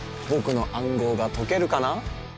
「僕の暗号が解けるかな？」